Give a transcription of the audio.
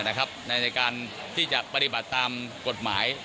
ในการที่จะปฏิบัติตามกฎหมาย